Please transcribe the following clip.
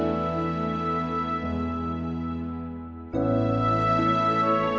mau sampai kapan kamu merahasiakan identitas rena